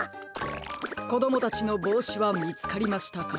こどもたちのぼうしはみつかりましたか？